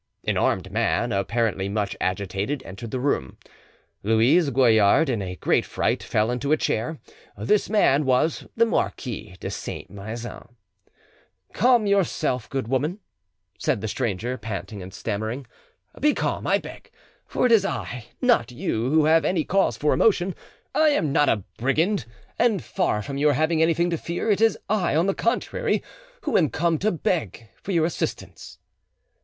An armed man, apparently much agitated, entered the room. Louise Goillard, in a great fright, fell into a chair; this man was the Marquis de Saint Maixent. "Calm yourself, good woman," said the stranger, panting and stammering; "be calm, I beg; for it is I, not you, who have any cause for emotion. I am not a brigand, and far from your having anything to fear, it is I, on the contrary, who am come to beg for your assistance."